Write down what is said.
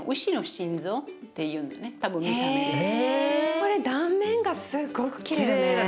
これ断面がすごくきれいね。